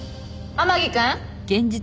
天樹くん！